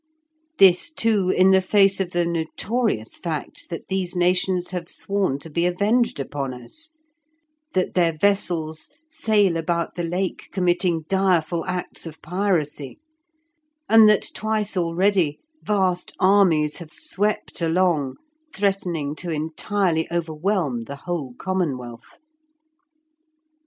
This, too, in the face of the notorious fact that these nations have sworn to be avenged upon us, that their vessels sail about the Lake committing direful acts of piracy, and that twice already vast armies have swept along threatening to entirely overwhelm the whole commonwealth.